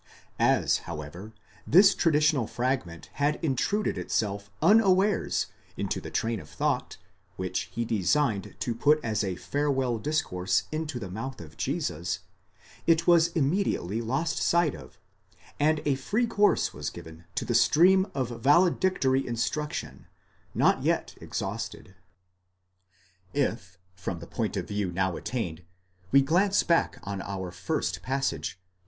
ΑΒ, however, this traditional fragment had intruded itself unawares into the train of thought, which he designed to put as a farewell discourse into the mouth of Jesus, it was immediately lost sight of, and a free course was given to the stream of valedictory instruction, not yet exhausted. If, from the point of view now attained, we glance back on our first passage, iv.